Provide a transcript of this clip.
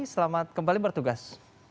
selamat kembali bertugas